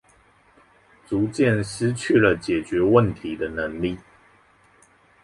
逐漸失去了解決問題的能力